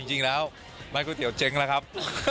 จริงแล้วบ้านก๋วยเตี๋ยวเจ๊งแล้วครับ